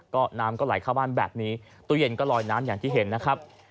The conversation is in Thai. ก็น้ำก็ไหลเข้าบ้านแบบนี้ตู้เย็นก็ลอยน้ำอย่างที่เห็นนะครับ